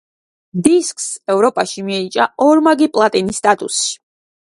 დისკს ევროპაში მიენიჭა ორმაგი პლატინის სტატუსი.